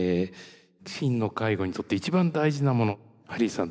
真の介護にとって一番大事なものハリーさん